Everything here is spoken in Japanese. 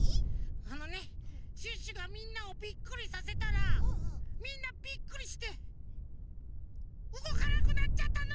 あのねシュッシュがみんなをビックリさせたらみんなビックリしてうごかなくなっちゃったの！